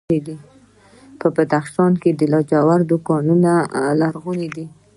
په بدخشان کې د لاجوردو کانونه لرغوني دي